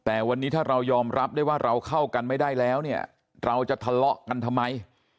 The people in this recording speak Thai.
แต่วันนี้ถ้าเรายอมรับได้ว่าเราเข้ากันไม่ได้แล้วเนี่ยเราจะทะเลาะกันทำไม